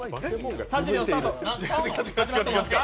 ３０秒、スタート。